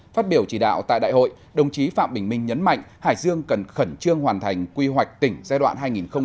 phát biểu chỉ đạo tại đại hội đồng chí phạm bình minh nhấn mạnh hải dương cần khẩn trương hoàn thành quy hoạch tỉnh giai đoạn hai nghìn hai mươi một hai nghìn ba mươi